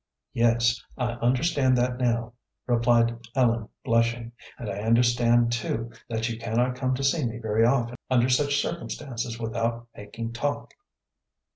"Yes, I understand that now," replied Ellen, blushing; "and I understand, too, that you cannot come to see me very often under such circumstances without making talk."